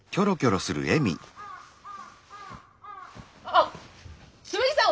あっ紬さん